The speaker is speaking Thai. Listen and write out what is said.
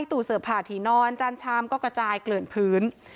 ตู้เสิร์ฟผ่าถี่นอนจานชามก็กระจายเกลื่อนพื้น